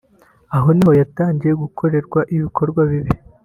Aha niho yatangiye gukorerwa ibikorwa bibi